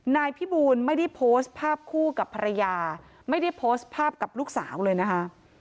นายพี่บูลไม่ได้โพสต์ภาพคู่กับภรรยาไม่ได้โพสต์ภาพกับลูกสาวเลยนะคะ